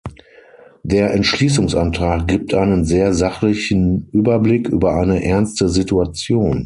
Der Entschließungsantrag gibt einen sehr sachlichen Überblick über eine ernste Situation.